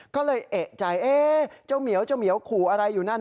ก็เลยเอกใจเจ้าเหมียวขู่อะไรอยู่นั่นน่ะ